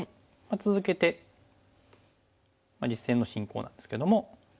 続けて実戦の進行なんですけども。